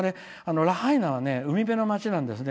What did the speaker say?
ラハイナは海辺の町なんですよね。